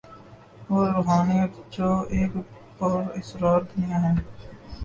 وہ روحانیت جو ایک پراسرار دنیا ہے۔